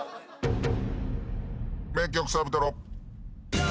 名曲サビトロ。